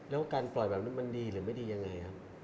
แล้วการปล่อยแบบนี้มันดีหรือไม่ดียังไงครับ